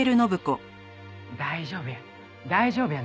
大丈夫や。